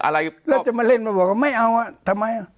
อะไรแล้วจะมาเล่นมาบอกว่าไม่เอาอ่ะทำไม